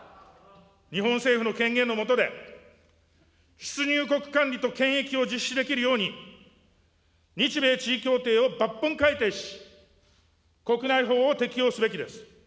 日本政府の権限の下で、出入国管理と検疫を実施できるように日米地位協定を抜本改定し、国内法を適用すべきです。